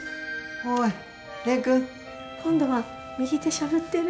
おい蓮くん！今度は右手しゃぶってる。